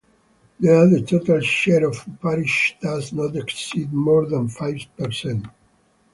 There the total share of parishes does not exceed more than five percent.